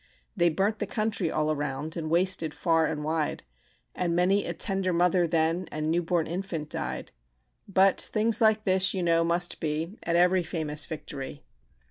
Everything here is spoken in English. "They burnt the country all around, And wasted far and wide, And many a tender mother then And new born infant died; But things like this, you know, must be, At every famous victory.